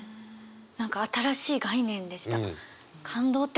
何か新しい概念でした。